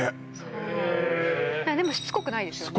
・へえでもしつこくないですよね